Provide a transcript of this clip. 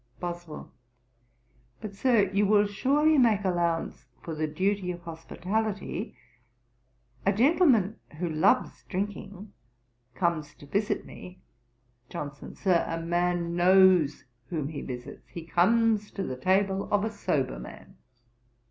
BOSWELL. 'But, Sir, you will surely make allowance for the duty of hospitality. A gentleman who loves drinking, comes to visit me.' JOHNSON. 'Sir, a man knows whom he visits; he comes to the table of a sober man.'